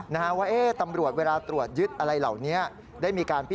แล้วก็ดมตัวเองเพราะตรงนี้ยายเป็นคนทัพ